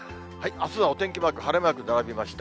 あすはお天気マーク、晴れマーク並びました。